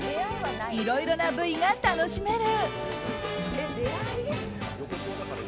いろいろな部位が楽しめる。